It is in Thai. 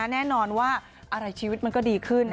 แน่นอนว่าอะไรชีวิตมันก็ดีขึ้น